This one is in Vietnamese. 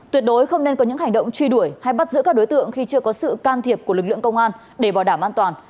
tuyệt đối không nên có những hành động truy đuổi hay bắt giữ các đối tượng khi chưa có sự can thiệp của lực lượng công an để bảo đảm an toàn